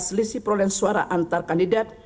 selisih perolehan suara antar kandidat